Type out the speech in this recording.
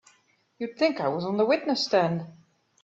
You'd think I was on the witness stand!